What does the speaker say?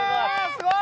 すごい。